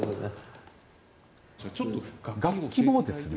楽器もですね